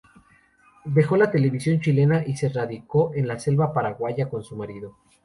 Dejó la televisión chilena y se radicó en la selva paraguaya con su marido.